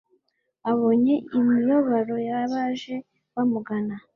Abonye imibabaro y'abaje bamugana,